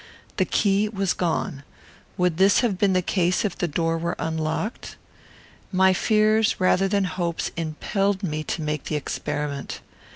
The key was gone. Would this have been the case if the door were unlocked? My fears, rather than my hopes, impelled me to make the experiment.